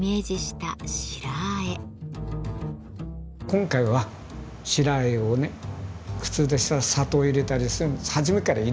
今回は白あえをね普通でしたら砂糖を入れたりするんです。